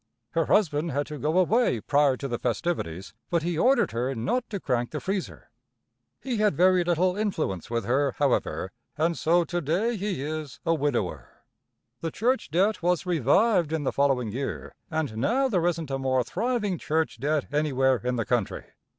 Her husband had to go away prior to the festivities, but he ordered her not to crank the freezer. He had very little influence with her, however, and so to day he is a widower. The church debt was revived in the following year, and now there isn't a more thriving church debt anywhere in the country.